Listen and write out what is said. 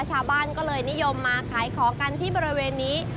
ชาวบ้านก็เลยนิยมมาขายของกันที่บริเวณนี้